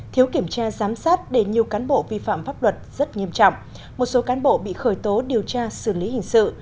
thiếu kiểm tra giám sát để nhiều cán bộ vi phạm pháp luật rất nghiêm trọng một số cán bộ bị khởi tố điều tra xử lý hình sự